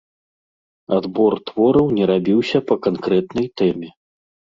Адбор твораў не рабіўся па канкрэтнай тэме.